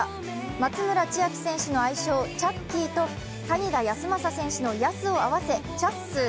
松村千秋選手の愛称、チャッキーと谷田康真選手のヤスを合わせチャッスー。